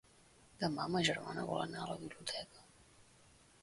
Demà ma germana vol anar a la biblioteca.